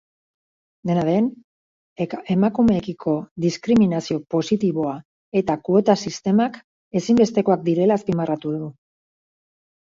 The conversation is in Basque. Dena den, emakumeekiko diskriminazio positiboa eta kuota sistemak ezinbestekoak direla azpimarratu du.